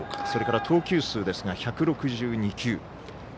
それから投球数ですが、１６２球。